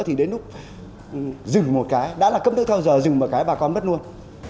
thì đến lúc dừng một cái đã là cấp nước theo giờ dừng một cái bà con bất luôn